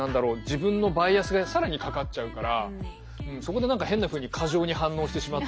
自分のバイアスが更にかかっちゃうからそこで何か変なふうに過剰に反応してしまったりとか